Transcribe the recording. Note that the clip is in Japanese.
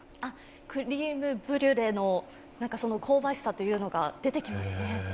クリームブリュレの香ばしさが出てきますね。